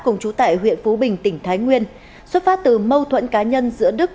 cùng chú tại huyện phú bình tỉnh thái nguyên xuất phát từ mâu thuẫn cá nhân giữa đức